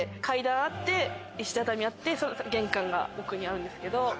階段あって石畳あって玄関が奥にあるんですけど。